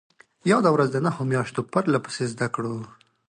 ياده ورځ د نهو مياشتو پرلهپسې زدهکړو